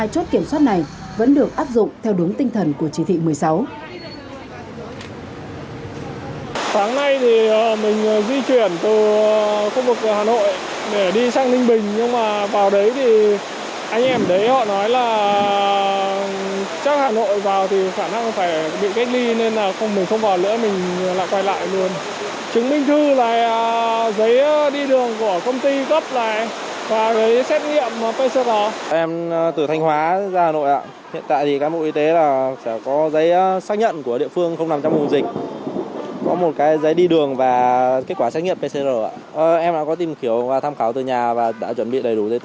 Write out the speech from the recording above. một mươi hai chốt kiểm soát này vẫn được áp dụng theo đúng tinh thần của chỉ thị một mươi sáu